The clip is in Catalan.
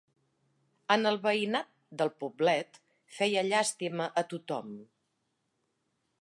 En el veïnat del Poblet, feia llàstima a tothom…